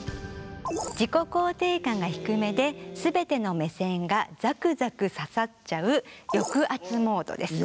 自己肯定感が低めで全ての目線がザクザク刺さっちゃう抑圧モードです。